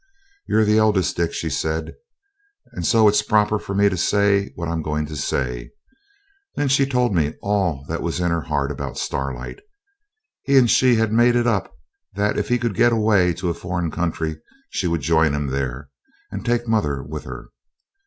'You're the eldest, Dick,' she said, 'and so it's proper for me to say what I'm going to say.' Then she told me all that was in her heart about Starlight. He and she had made it up that if he could get away to a foreign country she would join him there, and take mother with her.